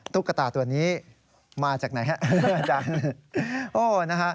ตุ๊กตาตัวนี้มาจากไหนฮะอาจารย์